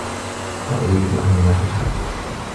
لا أريد أن نتشاجر.